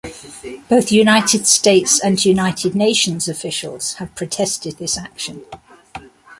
Both United States and United Nations officials have protested this action.